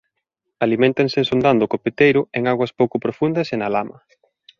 Aliméntanse sondando co peteiro en augas pouco profundas e na lama.